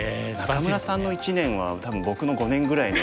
仲邑さんの１年は多分僕の５年ぐらいの。